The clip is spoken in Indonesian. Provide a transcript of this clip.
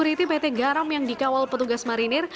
seriti pt garam yang dikawal petugas marinir